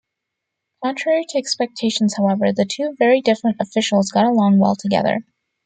Contrary to expectations, however, the two very different officials got along well together.